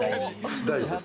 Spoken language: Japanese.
大事です。